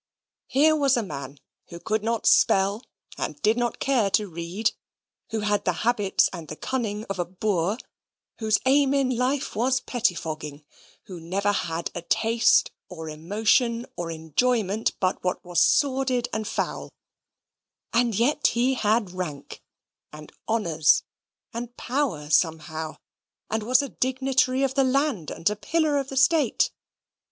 Here was a man, who could not spell, and did not care to read who had the habits and the cunning of a boor: whose aim in life was pettifogging: who never had a taste, or emotion, or enjoyment, but what was sordid and foul; and yet he had rank, and honours, and power, somehow: and was a dignitary of the land, and a pillar of the state.